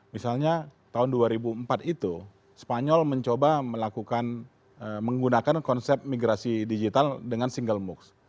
misalnya tahun dua ribu empat itu spanyol mencoba melakukan menggunakan konsep migrasi digital dengan single moocs